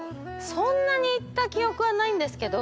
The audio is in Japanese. そんなに行った記憶はないんですけど。